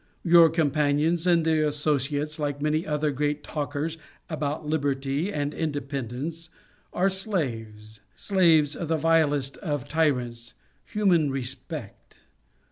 Your companions and their associates, like many 256 The Sign of the Cross. 257 other great talkers about liberty and inde pendence, are slaves slaves of the vilest of tyrants, human respect.